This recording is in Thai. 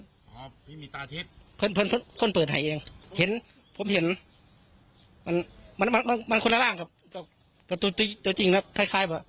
เพื่อนคนเปิดไห่เองผมเห็นมันคนร่างกับตัวจริงหลักคล้าย